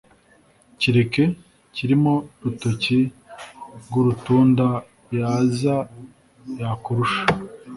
kireke kirimo rutoki rw’urutunda yaza yakurusha.